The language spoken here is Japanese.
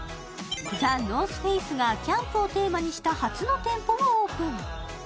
ＴＨＥＮＯＲＴＨＦＡＣＥがキャンプをテーマにした初の店舗をオープン